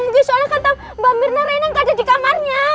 soalnya kata mbak mirna rena gak ada di kamarnya